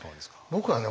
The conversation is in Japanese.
僕はね